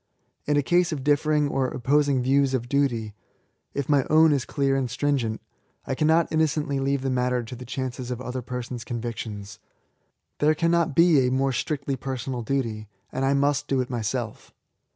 In a case of differing or opposing views of duty, — ^if my own is clear and stringent, I cannot innocently leave the matter to the chance of other persons' convictions. There cannot be a more strictly personal duty, and I must do it myself.